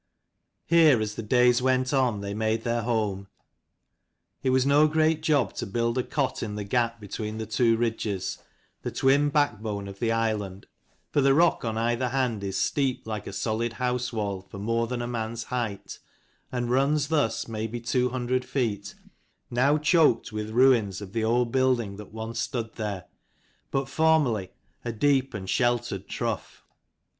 ERE as the days went on they made their home. It was no great job to build a cot in the gap between the two ridges, the twin backbone of the is land: for the rock on either hand is steep like a solid house wall for more than a man's height, and runs thus maybe two hundred feet, now choked with ruins of the old 264 building that once stood there: but formerly a deep and sheltered trough.